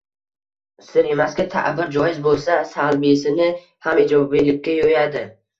Sir emaski, ta`bir joiz bo`lsa, salbiysini ham ijobiylikka yo`yadi